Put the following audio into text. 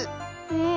うん！